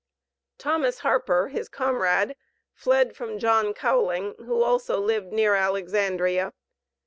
Thomas Harper, his comrade, fled from John Cowling, who also lived near Alexandria.